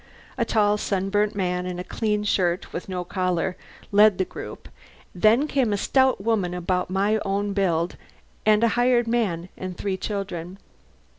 A tall, sunburnt man, in a clean shirt with no collar, led the group, and then came a stout woman about my own build, and a hired man and three children.